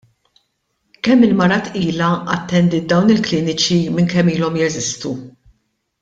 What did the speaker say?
Kemm-il mara tqila attendiet dawn il-kliniċi minn kemm ilhom jeżistu?